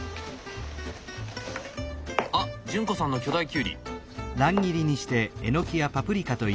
あっ潤子さんの巨大きゅうり。